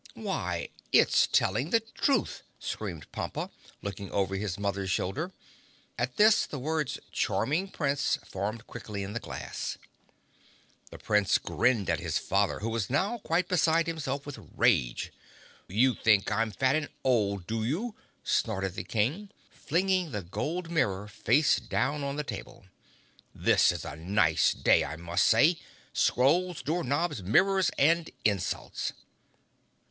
"Why, it's telling the truth!" screamed Pompa, looking over his mother's shoulder. At this the words "Charming Prince" formed quickly in the glass. The Prince grinned at his father, who was now quite beside himself with rage. "You think I'm fat and old, do you!" snorted the King, flinging the gold mirror face down on the table. "This is a nice day, I must say! Scrolls, door knobs, mirrors and insults!"